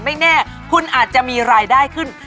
ไม่แน่คุณอาจจะมีรายได้ขึ้น